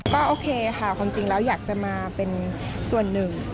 ก็โอเคค่ะความจริงแล้วอยากจะมาเป็นส่วนหนึ่ง